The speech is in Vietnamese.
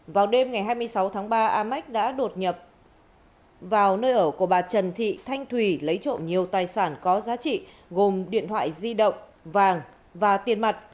vào đêm ngày hai mươi sáu tháng ba a mách đã đột nhập vào nơi ở của bà trần thị thanh thùy lấy trộm nhiều tài sản có giá trị gồm điện thoại di động vàng và tiền mặt